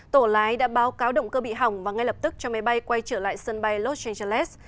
tổ lái đã báo cáo động cơ bị hỏng và ngay lập tức cho máy bay quay trở lại sân bay los angeles